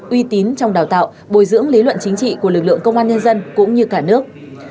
uy tín trong đào tạo bồi dưỡng lý luận chính trị của lực lượng công an nhân dân cũng như cả nước